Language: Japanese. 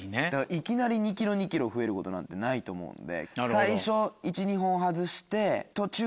いきなり２ｋｇ２ｋｇ増えることなんてないと思うんで。